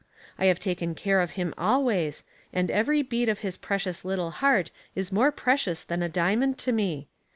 I have taken care of him always, and every beat of his precious little heart is more precious than a diamond to me.